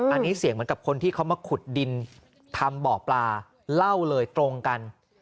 อันนี้เสียงเหมือนกับคนที่เขามาขุดดินทำบ่อปลาเล่าเลยตรงกัน